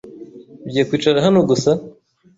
Ugiye kwicara hano gusa?